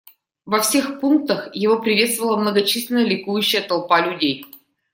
Во всех пунктах его приветствовала многочисленная ликующая толпа людей.